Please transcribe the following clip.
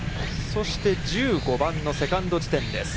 そして、１５番のセカンド地点です。